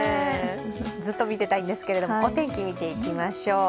ずっと見てたいんですけどお天気、見ていきましょう。